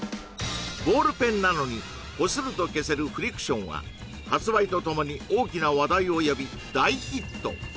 ボールペンなのにこすると消せるフリクションは発売とともに大きな話題を呼び大ヒット！